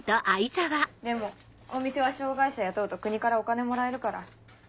でもお店は障がい者雇うと国からお金もらえるから。